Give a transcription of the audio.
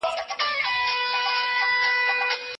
سید رسول رسا په پښتو کي نوي سبکونه راوړل.